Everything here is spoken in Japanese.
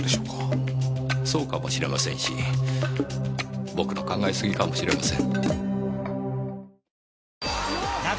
そうかもしれませんし僕の考えすぎかもしれません。